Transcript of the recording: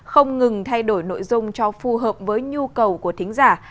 không ngừng thay đổi nội dung cho phù hợp với nhu cầu của thính giả